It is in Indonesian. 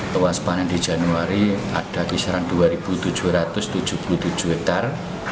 kewaspanan di januari ada kisaran dua tujuh ratus tujuh puluh tujuh hektare